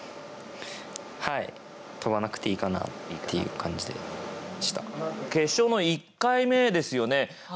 はい、とばなくていいかなっていう感じで決勝の１回目ですよね